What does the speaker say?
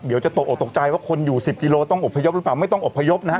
ตกออกตกใจว่าคนอยู่๑๐กิโลต้องอบพยพหรือเปล่าไม่ต้องอบพยพนะฮะ